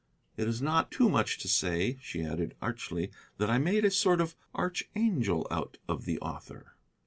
It is not too much to say," she added archly, "that I made a sort of archangel out of the author."